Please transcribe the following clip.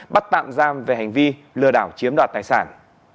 bắt tạm giam về hành vi lừa đảo chiếm đoạt tài sản